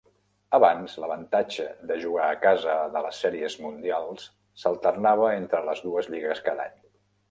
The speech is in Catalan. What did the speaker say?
Abans, l'avantatge de jugar a casa de les Sèries Mundials s'alternava entre les dues lligues cada any.